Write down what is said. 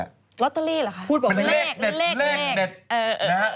ลอตเตอรี่เหรอคะพูดบอกเป็นเลขเลขเลขเลขเออเออเออ